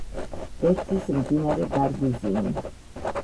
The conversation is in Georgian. ერთვის მდინარე ბარგუზინი.